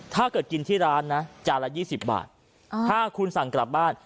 ถ้าเกิดกินที่ร้านนะจานละ๒๐บาทถ้าคุณสั่งกลับบ้าน